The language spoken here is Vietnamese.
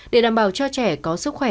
để đảm bảo cho trẻ có sức khỏe